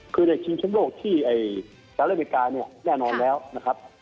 คือในจิงชำโลกที่ไตรนาวิกาเนี่ยแน่นอนแล้วนะครับ